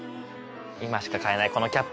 今しか買えないこのキャップ！